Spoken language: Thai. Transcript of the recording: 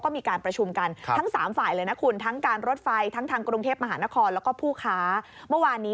มีทุกสัปสิ่งครับ